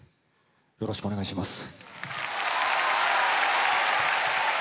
よろしくお願いします。